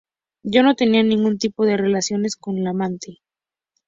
Yo no tenía ningún tipo de relaciones con la amante".